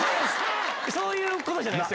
そういうことじゃないです。